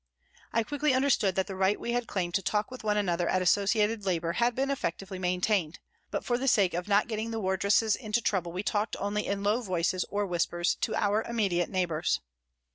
I quickly under stood that the right we had claimed to talk with one another at associated labour had been effectively maintained, but for the sake of not getting the wardresses into trouble we talked only in low voices or whispers to our immediate neighbours.